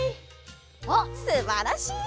おっすばらしい！